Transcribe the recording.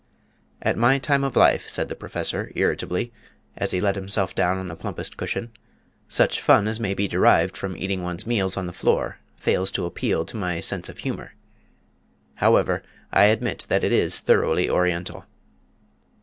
"At my time of life," said the Professor, irritably, as he let himself down on the plumpest cushion, "such fun as may be derived from eating one's meals on the floor fails to appeal to my sense of humour. However, I admit that it is thoroughly Oriental."